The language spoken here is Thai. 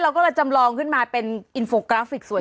เราก็จะจำลองขึ้นมาเป็นอินโฟกราฟิกสวยขนาดนี้